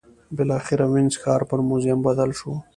بالاخره وینز ښار پر موزیم بدل شو.